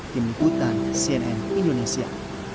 tim kutan cnn indonesia